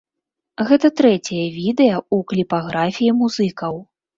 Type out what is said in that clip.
Гэта трэцяе відэа ў кліпаграфіі музыкаў.